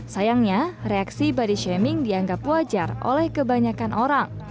sayangnya reaksi body shaming dianggap wajar oleh kebanyakan orang